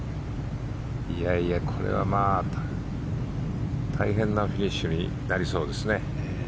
いやいや、これは大変なフィニッシュになりそうですね。